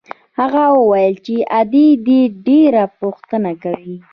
هغه وويل چې ادې دې ډېره پوښتنه کوي.